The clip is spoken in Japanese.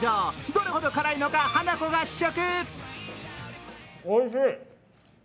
どれほど辛いのかハナコが試食。